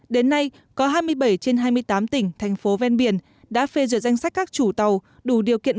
đến nay có hai mươi bảy trên hai mươi tám tỉnh thành phố ven biển đã phê duyệt danh sách các chủ tàu đủ điều kiện